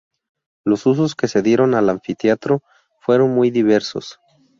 Los usos que se dieron al anfiteatro fueron muy diversos.